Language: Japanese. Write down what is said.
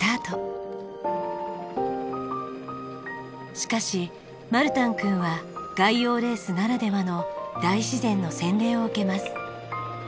しかしマルタン君は外洋レースならではの大自然の洗礼を受けます。